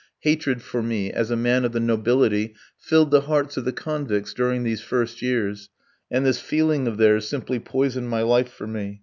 Hatred for me, as a man of the nobility, filled the hearts of the convicts during these first years, and this feeling of theirs simply poisoned my life for me.